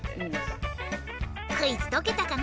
クイズとけたかな？